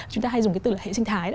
chúng ta hay dùng cái từ là hệ sinh thái